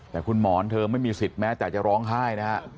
แต่คุณหมอนเธอไม่มีสิทธิ์แม้แต่จะร้องไห้นะฮะ